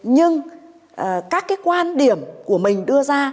nhưng các cái quan điểm của mình đưa ra